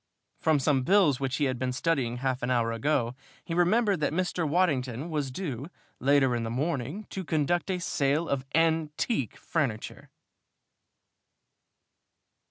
From some bills which he had been studying half an hour ago he remembered that Mr. Waddington was due, later in the morning, to conduct a sale of "antique" furniture!